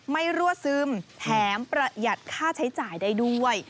รั่วซึมแถมประหยัดค่าใช้จ่ายได้ด้วย